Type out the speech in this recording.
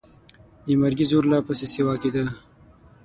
د مرګي زور لا پسې سیوا کېده.